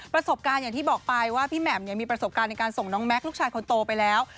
ประสบการณ์อย่างที่บอกไปว่าพี่แหม่มมีประสบการณ์ในการส่งน้องแม็กซลูกชายคนโตไปแล้ว